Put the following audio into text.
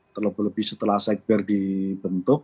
terlebih lebih setelah sekber dibentuk